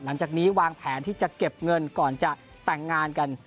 หลังจากนี้วางแผนที่จะเก็บเงินก่อนจะแต่งงานกัน